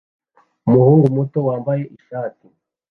Umuhungu muto wambaye ishat